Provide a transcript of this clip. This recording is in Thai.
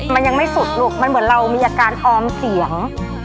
มันยังไม่สุดลูกมันเหมือนเรามีอาการออมเสียง